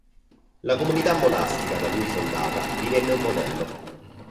La comunità monastica da lui fondata divenne un modello.